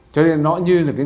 cho nên nó như là người này